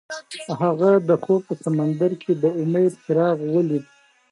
هغه د خوب په سمندر کې د امید څراغ ولید.